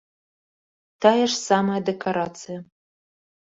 Тая ж самая дэкарацыя.